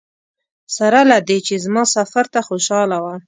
سره له دې چې زما سفر ته خوشاله وه.